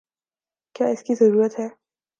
کیا اس کی ضرورت ہے؟